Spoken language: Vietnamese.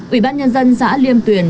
ủy ban nhân dân xã liêm tuyển